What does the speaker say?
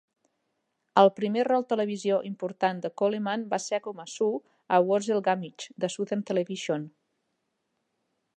El primer rol televisió important de Coleman va ser com a Sue a "Worzel Gummidge" de Southern Television.